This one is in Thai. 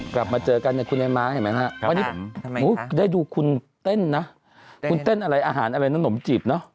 กลับมาเจอกันเนี่ยคุณไอ้ม้าเห็นไหมฮะวันนี้ได้ดูคุณเต้นนะคุณเต้นอะไรอาหารอะไรนะขนมจีบเนอะ